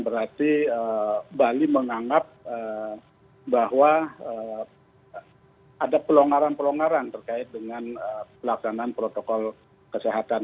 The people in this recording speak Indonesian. berarti bali menganggap bahwa ada pelonggaran pelonggaran terkait dengan pelaksanaan protokol kesehatan